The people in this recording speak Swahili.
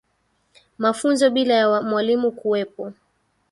Mafunzo bila ya mwalimu kuwepo